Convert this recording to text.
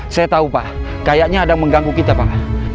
saya tahu pak kayaknya ada yang mengganggu kita pak